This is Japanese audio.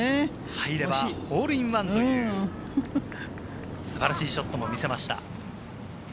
入ればホールインワンという素晴らしいショットも見せました。